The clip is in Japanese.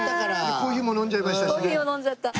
コーヒーも飲んじゃった。